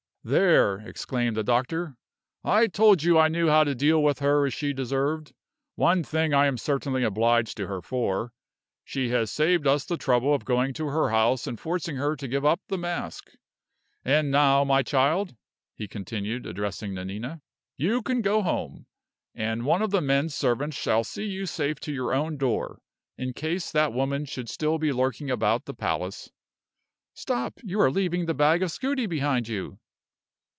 "There!" exclaimed the doctor; "I told you I knew how to deal with her as she deserved. One thing I am certainly obliged to her for she has saved us the trouble of going to her house and forcing her to give up the mask. And now, my child," he continued, addressing Nanina, "you can go home, and one of the men servants shall see you safe to your own door, in case that woman should still be lurking about the palace. Stop! you are leaving the bag of scudi behind you."